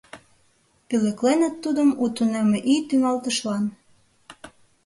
Пӧлекленыт тудым у тунемме ий тӱҥалтышлан.